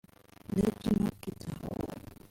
Regina Pizza